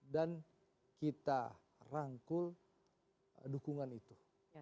dan kita rangkul dukungan itu